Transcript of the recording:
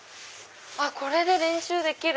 これで練習できる。